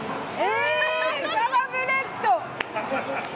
えサラブレッド！